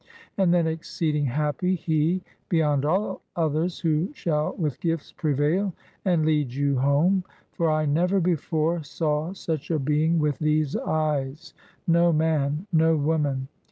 And then exceeding happy he, beyond all others, who shall with gifts prevail and lead you home. For I never before saw such a being with these eyes — no man, no woman.